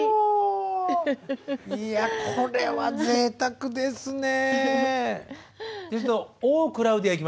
いやこれはぜいたくですね。